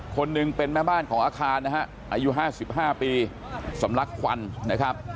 คนหนึ่งเป็นแม่บ้านของอาคารนะฮะอายุ๕๕ปีสำลักควันนะครับ